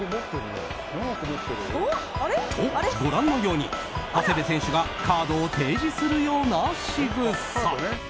と、ご覧のように長谷部選手がカードを提示するようなしぐさ。